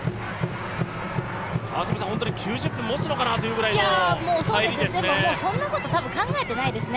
本当に９０分もつのかなというぐらいの入りですね。